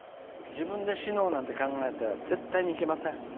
自分で死のうなんて考えちゃ絶対にいけません。